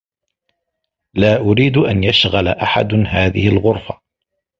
لا أريد أن يشغل أحد هذه الغرفة.